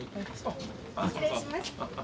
失礼します。